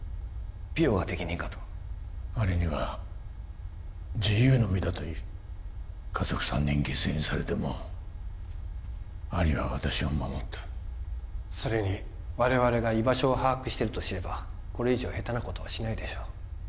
ピヨが適任かとアリには自由の身だと言う家族３人犠牲にされてもアリは私を守ったそれに我々が居場所を把握していると知ればこれ以上ヘタなことはしないでしょう